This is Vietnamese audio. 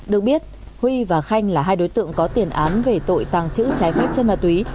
được biết huy và khanh là hai đối tượng có tiền án về tội tàng trữ trái phép chân ma túy